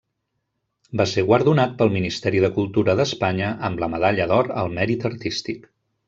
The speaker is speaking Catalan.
Va ser guardonat pel Ministeri de Cultura d'Espanya amb la medalla d'or al mèrit artístic.